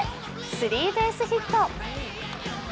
スリーベースヒット。